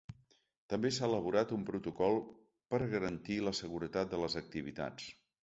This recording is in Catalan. També s’ha elaborat un protocol per a garantir la seguretat de les activitats.